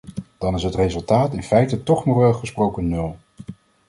Dan is het resultaat in feite toch moreel gesproken nul.